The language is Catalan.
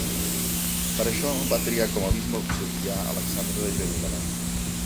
Per això, va triar com a bisbe auxiliar Alexandre de Jerusalem.